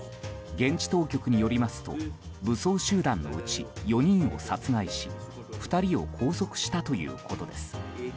現地当局によりますと武装集団のうち４人を殺害し２人を拘束したということです。